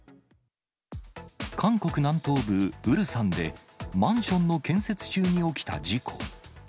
韓国南東部、ウルサンで、マンションの建設中に起きた事故。